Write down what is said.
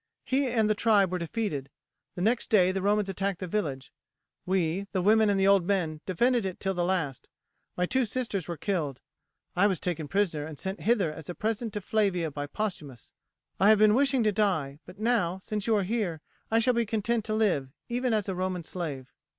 "He and the tribe were defeated. The next day the Romans attacked the village. We, the women and the old men, defended it till the last. My two sisters were killed. I was taken prisoner and sent hither as a present to Flavia by Postumius. I have been wishing to die, but now, since you are here, I shall be content to live even as a Roman slave."